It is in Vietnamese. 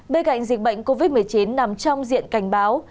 bên cạnh dịch bệnh covid một mươi chín nằm trong diện cảnh báo